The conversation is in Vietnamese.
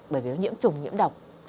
bởi vì nó nhiễm trùng nhiễm độc